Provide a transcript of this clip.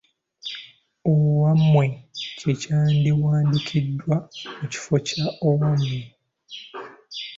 Owammwe kye kyandiwandiikiddwa mu kifo kya Owamwe.